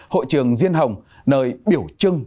hội trường diên hồng nơi biểu trưng